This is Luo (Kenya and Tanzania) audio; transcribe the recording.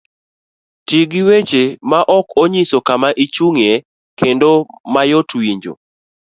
Ti gi weche maok onyiso kama ichung'ye kendo mayot winjo.